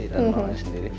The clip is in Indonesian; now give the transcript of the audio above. dan rumahnya sendiri